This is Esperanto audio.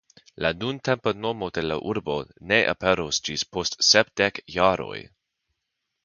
La nuntempa nomo de la urbo ne aperos ĝis post sep dek jaroj.